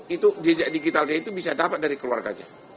itu jejak digital saya itu bisa dapat dari keluarganya